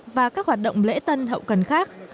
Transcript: và các hoạt động lễ tân hậu cần khác